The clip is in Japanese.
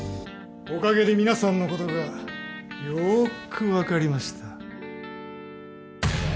おかげで皆さんのことがよーく分かりました。